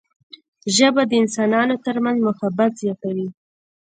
ژبه د انسانانو ترمنځ محبت زیاتوي